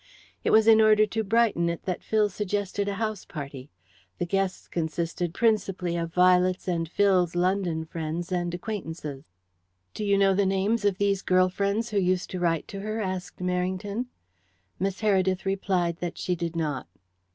It was in order to brighten it that Phil suggested a house party. The guests consisted principally of Violet's and Phil's London friends and acquaintances. "Do you know the names of these girl friends who used to write to her?" asked Merrington. Miss Heredith replied that she did not.